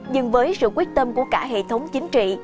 nhưng với sự quyết tâm của cả hệ thống chính trị